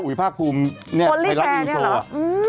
อุ๋ยภาครพลุมไทยรัตหนี้เช้าอ่ะอืมมมมม